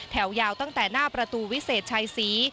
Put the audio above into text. แถวยาวตั้งแต่หน้าประตูวิเศษชัยศรี